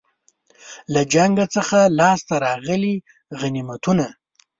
له جنګ څخه لاسته راغلي غنیمتونه.